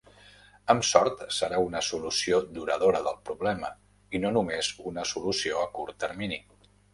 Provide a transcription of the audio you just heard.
Amb sort serà una solució duradora del problema i no només una solució a curt termini